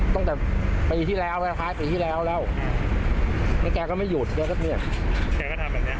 ตั้งแต่ปีที่แล้วแล้วท้ายปีที่แล้วแล้วแล้วแกก็ไม่หยุดแกก็เมียแกก็ทำอย่างเงี้ย